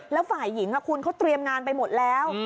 แล้วฝ่ายหญิงคุณเขาเตรียมงานไปหมดแล้ว